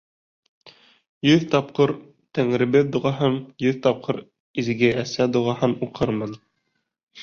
Йөҙ тапҡыр «Тәңребеҙ» доғаһын, йөҙ тапҡыр «Изге Әсә» доғаһын уҡырмын.